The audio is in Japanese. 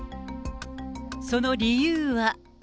その理由は。